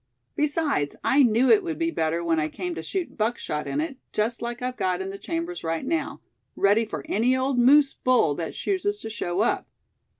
Besides, I knew it would be better when I came to shoot buckshot in it, just like I've got in the chambers right now, ready for any old moose bull that chooses to show up.